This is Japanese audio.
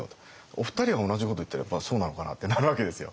お二人が同じこと言ったらやっぱりそうなのかなってなるわけですよ。